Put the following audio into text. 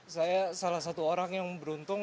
saya salah satu orang yang beruntung